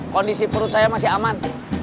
kondisi perut saya masih aman